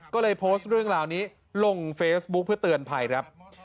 ก็เลยโพสต์เรื่องราวนี้ลงเฟซบุ๊คเพื่อเตือนภัยครับ